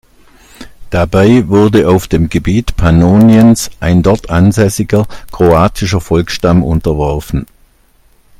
Dabei wurde auf dem Gebiet Pannoniens ein dort ansässiger kroatischer Volksstamm unterworfen.